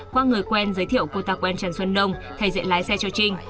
qua người quen giới thiệu cô ta quen trần xuân đông thay dạy lái xe cho trinh